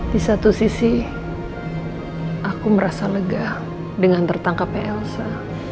di satu sisi aku merasa lega dengan tertangkapnya elsa